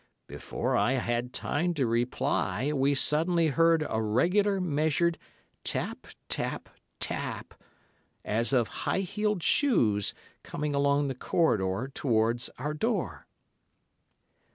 "Before I had time to reply, we suddenly heard a regular, measured tap, tap, tap, as of high heeled shoes, coming along the corridor towards our door.